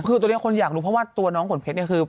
คือตอนนี้คนอยากรู้เพราะว่าตัวน้องขนเพชรเนี่ยคือ